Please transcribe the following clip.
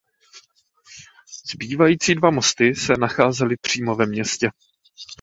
Zbývající dva mosty se nacházely přímo ve městě.